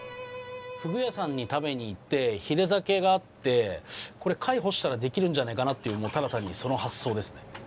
フグ屋さんに食べに行ってひれ酒があってこれ貝干したらできるんじゃないかなっていうただ単にその発想ですね。